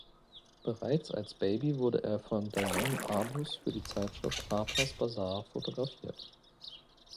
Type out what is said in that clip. Bereits als Baby wurde er von Diane Arbus für die Zeitschrift Harper’s Bazaar fotografiert.